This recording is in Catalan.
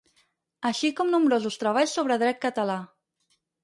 Així com nombrosos treballs sobre dret català.